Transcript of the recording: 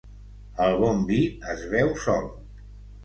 El bon vi es beu sol.